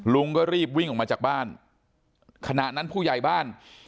ลุงก็รีบวิ่งออกมาจากบ้านขณะนั้นผู้ใหญ่บ้าน